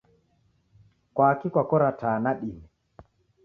Kwaki kwakora taa nadime?